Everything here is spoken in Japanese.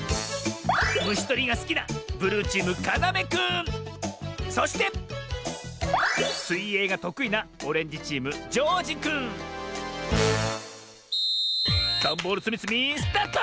むしとりがすきなそしてすいえいがとくいなダンボールつみつみスタート！